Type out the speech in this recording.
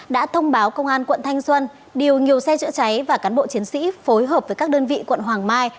đã thông báo công an quận thanh xuân điều nhiều xe chữa cháy và cán bộ chiến sĩ phối hợp với các đơn vị quận hoàng mai